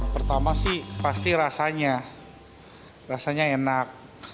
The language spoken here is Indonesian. pertama sih pasti rasanya rasanya enak